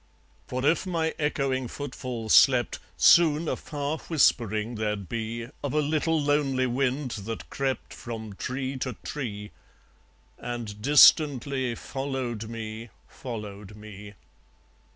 For if my echoing footfall slept, Soon a far whispering there'd be Of a little lonely wind that crept From tree to tree, and distantly Followed me, followed me.